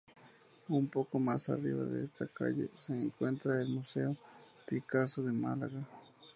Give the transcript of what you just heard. Un poco más arriba de esta calle se encuentra el Museo Picasso de Málaga.